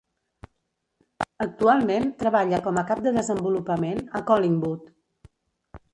Actualment treballa com a cap de desenvolupament a Collingwood.